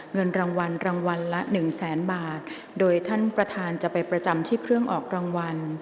เงินรางวัลรางวัลละหนึ่งแสนบาทโดยท่านประธานจะไปประจำที่เครื่องออกรางวัล